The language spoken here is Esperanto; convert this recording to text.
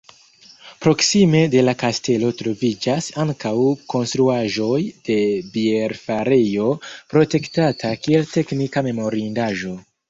Proksime de la kastelo troviĝas ankaŭ konstruaĵoj de bierfarejo, protektata kiel teknika memorindaĵo.